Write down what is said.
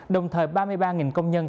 đồng thời ba mươi ba công nhân